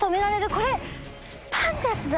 これパーンってやつだ。